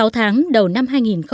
sáu tháng đầu năm hai nghìn một mươi tám